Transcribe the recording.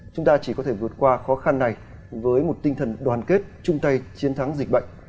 chúng ta chỉ có thể vượt qua khó khăn này với một tinh thần đoàn kết chung tay chiến thắng dịch bệnh